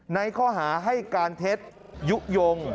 ในข้อหาให้การเท็จยุโยง